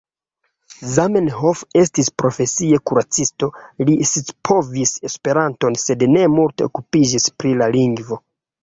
Zamenhof estis profesie kuracisto, li scipovis Esperanton sed ne multe okupiĝis pri la lingvo.